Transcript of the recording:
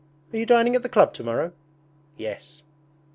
... Are you dining at the club to morrow?' 'Yes.'